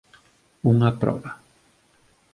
Unha proba.